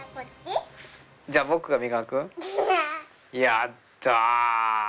やった。